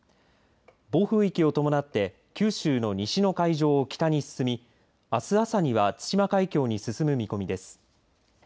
暴風域を伴って九州の西の海上を北に進みあす朝には対馬海峡に進む見込みです。